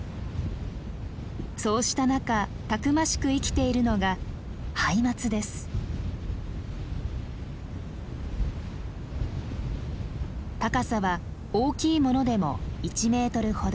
そうした中たくましく生きているのが高さは大きいものでも１メートルほど。